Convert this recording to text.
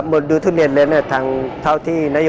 menurut saya setelah ini